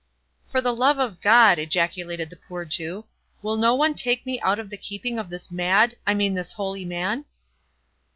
"For the love of God!" ejaculated the poor Jew, "will no one take me out of the keeping of this mad—I mean this holy man?"